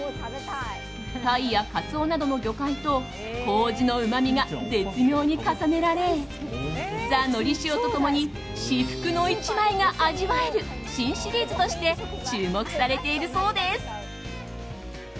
タイやカツオなどの魚介と麹のうまみが絶妙に重ねられＴｈｅのり塩と共に至福の１枚が味わえる新シリーズとして注目されているそうです。